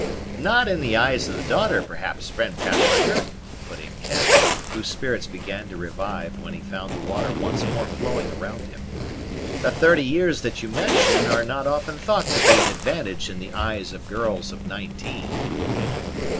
"Not in the eyes of the daughter, perhaps, friend Pathfinder;" put in Cap, whose spirits began to revive when he found the water once more flowing around him. "The thirty years that you mention are not often thought to be an advantage in the eyes of girls of nineteen."